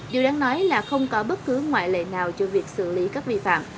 điều đáng nói là không có bất cứ ngoại lệ nào cho việc xử lý các vi phạm